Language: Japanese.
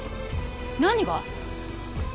何が？